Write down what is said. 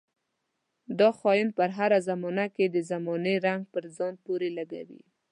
دا خاين پر هره زمانه کې د زمانې رنګ په ځان پورې لګوي.